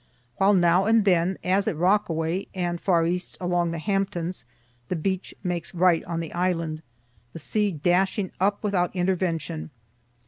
While now and then, as at Rockaway and far east along the Hamptons, the beach makes right on the island, the sea dashing up without intervention.